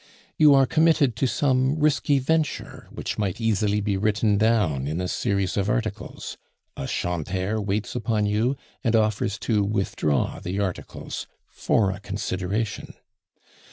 "You are committed to some risky venture, which might easily be written down in a series of articles; a 'chanteur' waits upon you, and offers to withdraw the articles for a consideration.